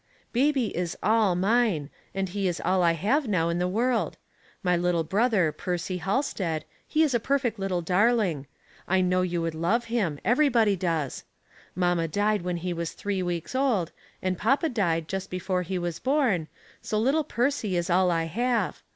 Baby is all mine, and he is all I have now in the world ; my little brother, Perc} Halsted, he is a perfect little darling. I know you would love him — everybody does. Mamma died when he was three weeks old, and papa died just before he was born, so little Percy is all I have.